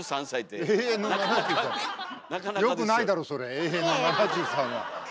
永遠の７３は。